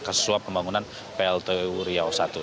kasus pembangunan pltw riau i